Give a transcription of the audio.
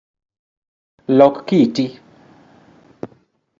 Lok kiti